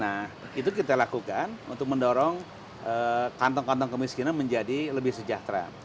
nah itu kita lakukan untuk mendorong kantong kantong kemiskinan menjadi lebih sejahtera